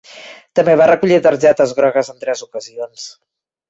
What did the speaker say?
També va recollir targetes grogues en tres ocasions.